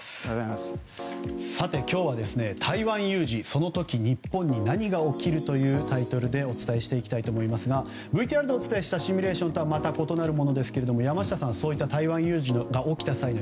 今日は、台湾有事その時日本に何が起きる？というタイトルでお伝えしていきたいと思いますがＶＴＲでお伝えしたシミュレーションと異なりますが山下さんはそういった台湾有事が起きた際の